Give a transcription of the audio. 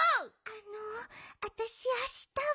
あのあたしあしたは。